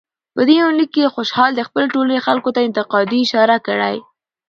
په دې يونليک کې خوشحال د خپلې ټولنې خلکو ته انتقادي اشاره کړى